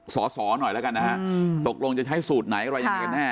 ศรนะนะคะอืมตกลงจะใช้สูตรไหน